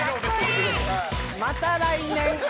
また来年。